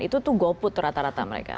itu tuh goput rata rata mereka